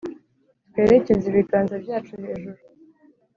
twerekeze ibiganza byacu ejuru,